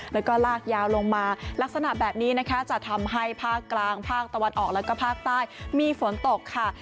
แล้วก็ลากยาวลงมาลักษณะแบบนี้นะคะจะทำให้ภาคกลางภาคตะวันออกแล้วก็ภาคใต้มีฝนตกค่ะ